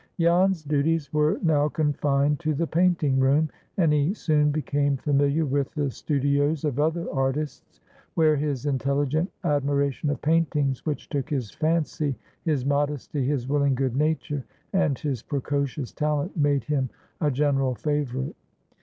Jan's duties were now confined to the painting room, and he soon became familiar with the studios of other artists, where his intelligent admiration of paintings which took his fancy, his modesty, his willing good nature, and his precocious talent made him a general favorite.